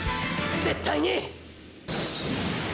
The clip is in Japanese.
絶対に！！